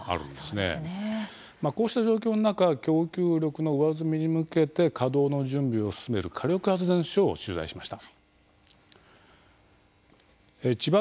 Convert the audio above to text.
こうした状況の中供給力の上積みに向けて稼働の準備を進める火力発電所を取材しました。